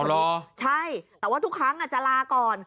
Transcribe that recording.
เอาหรอใช่แต่ว่าทุกครั้งอาจจะลาก่อน